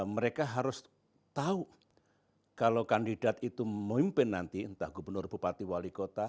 mereka harus tahu kalau kandidat itu memimpin nanti entah gubernur bupati wali kota